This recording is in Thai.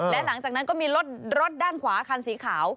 และหลังจากนั้นก็มีรถด้านขวาคันสีขาว